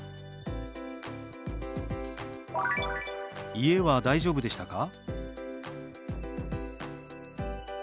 「家は大丈夫でしたか？」。